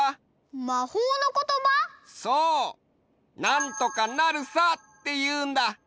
「なんとかなるさ」っていうんだ。